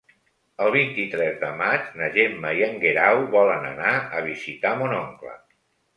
El vint-i-tres de maig na Gemma i en Guerau volen anar a visitar mon oncle.